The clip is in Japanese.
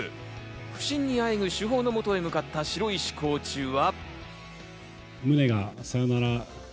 不振にあえぐ主砲の元へ向かった城石コーチは。